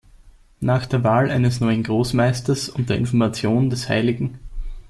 Nach der Wahl eines neuen Großmeisters und der Information des Hl.